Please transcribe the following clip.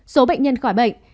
số bệnh nhân khỏi bệnh